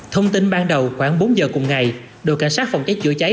thông tin ban đầu khoảng bốn giờ cùng ngày đội cảnh sát phòng cháy chữa cháy